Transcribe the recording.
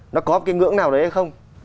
nó có cái ngưỡng nào đấy hay không